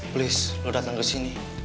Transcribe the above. please mau datang ke sini